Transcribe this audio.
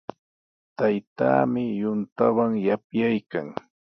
Taytaami yuntawan yapyaykan.